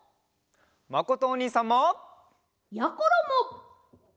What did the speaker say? まことおにいさんも！やころも！